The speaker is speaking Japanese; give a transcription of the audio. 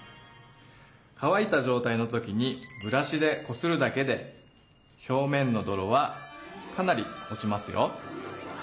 乾いたじょうたいの時にブラシでこするだけで表面のどろはかなり落ちますよ。